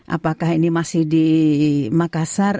apakah ini masih di makassar